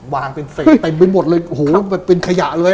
วางเป็นสีเต็มไปหมดเลยโหวเป็นขยะเลยอะ